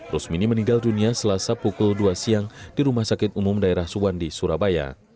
rusmini meninggal dunia selasa pukul dua siang di rumah sakit umum daerah suwandi surabaya